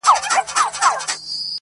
ستا د ميني پـــه كـــورگـــي كـــــي.